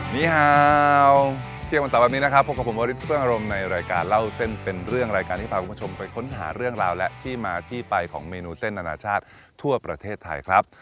นี่ฮะเที่ยงวันเสาร์แบบนี้นะครับพบกับผมวริสเฟื้องอารมณ์ในรายการเล่าเส้นเป็นเรื่องรายการที่พาคุณผู้ชมไปค้นหาเรื่องราวและที่มาที่ไปของเมนูเส้นอนาชาติทั่วประเทศไทยครับ